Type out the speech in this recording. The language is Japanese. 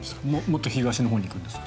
もっと東のほうに行くんですか？